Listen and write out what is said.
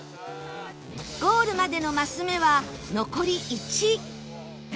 ゴールまでのマス目は残り「１」